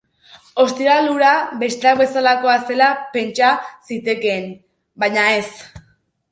Ostiral hura besteak bezalakoa zela pentsa zitekeen, baina ez.